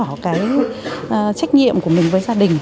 trách nhiệm của mình với gia đình